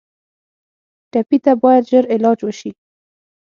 ټپي ته باید ژر علاج وشي.